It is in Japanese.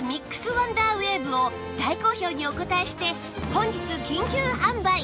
ワンダーウェーブを大好評にお応えして本日緊急販売！